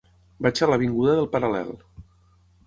Vaig a l'avinguda del Paral·lel.